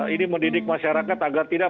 ini mendidik masyarakat agar tidak